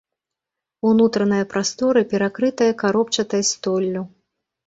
Унутраная прастора перакрытая каробчатай столлю.